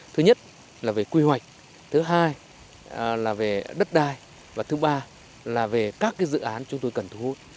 thứ nhất là về quy hoạch thứ hai là về đất đai và thứ ba là về các dự án chúng tôi cần thu hút